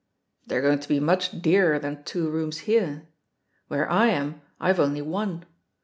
"They're going to be much dearer than two rooms here. Where I am, IVe only one.